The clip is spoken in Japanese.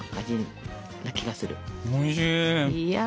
おいしい。